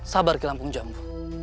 sabar kilampung jambu